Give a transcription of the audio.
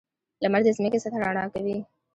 • لمر د ځمکې سطحه رڼا کوي.